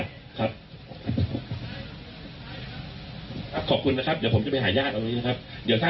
ขอบคุณนะครับเดี๋ยวผมจะไปหาย่าตรงนี้นะครับ